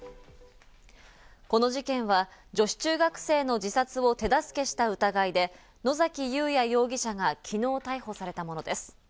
この事件は女子中学生の自殺を手助けした疑いで、野崎祐也容疑者が昨日逮捕されたものです。